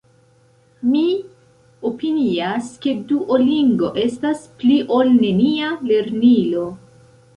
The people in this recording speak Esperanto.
Mi opinias ke Duolingo estas “pli-ol-nenia” lernilo.